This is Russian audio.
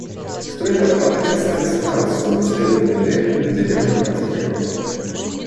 Струи водопада касались скал, словно серебряные ленты на зеленом платье природы.